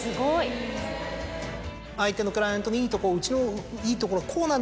相手のクライアントのいいところ「うちのいいところはこうなんだ。